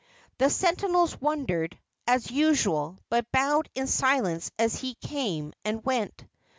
The sentinels wondered, as usual, but bowed in silence as he came and went.